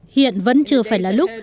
hiện vẫn chưa phải là lúc